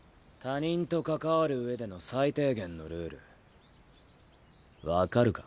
他人と関わるうえでの最低限のルール分かるか？